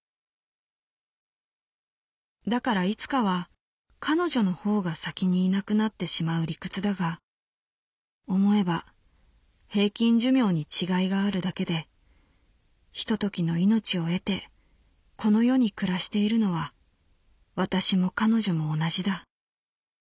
だからいつかは彼女の方が先にいなくなってしまう理屈だが思えば平均寿命に違いがあるだけでひとときの命を得てこの世に暮らしているのは私も彼女も同じだ」。